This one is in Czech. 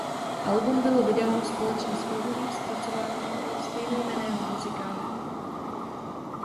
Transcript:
Album bylo vydáno společně s filmovým zpracováním stejnojmenného muzikálu.